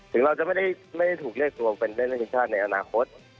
ถึงเราจะไม่ได้ถูกเรียกตัวเป็นเล่นทีมชาติในอนาคต